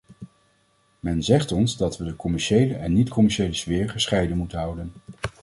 Men zegt ons dat we de commerciële en niet-commerciële sfeer gescheiden moeten houden.